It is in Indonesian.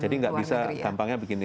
jadi tidak bisa tampangnya begini